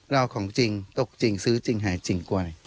ของจริงตกจริงซื้อจริงหายจริงกลัวอะไร